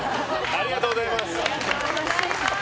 ありがとうございます。